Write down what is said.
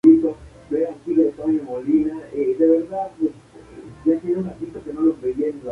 Herculano Alvarado nació en Totonicapán, donde obtuvo su primera instrucción de su padre.